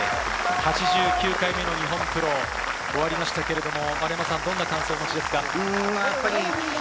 ８９回目の日本プロが終わりましたが、どんな感想をお持ちですか？